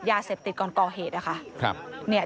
ยาเสพติดก่อนก่อเหตุนะคะ